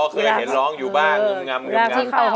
อ๋อเคยเห็นร้องอยู่บ้างงึม